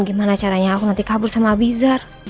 gimana caranya aku nanti kabur sama bizar